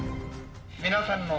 皆さんの。